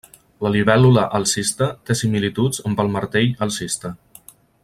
La libèl·lula alcista té similituds amb el Martell alcista.